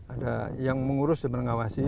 ada yang mengurus dan mengawasi